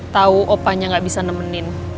tahu opanya gak bisa nemenin